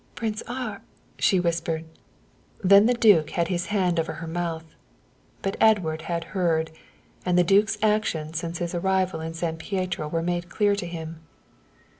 "Prince Ar ," she whispered. Then the duke had his hand over her mouth. But Edward had heard, and the duke's actions since his arrival in San Pietro were made clear to him.